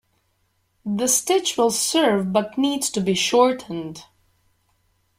The stitch will serve but needs to be shortened.